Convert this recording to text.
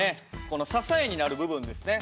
この支えになる部分ですね。